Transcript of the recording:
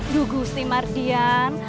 duh gusti mardian